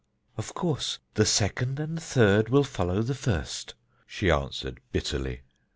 "Of course, the second and third will follow the first," she answered bitterly.